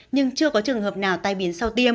nhưng chưa có trường hợp nào tai biến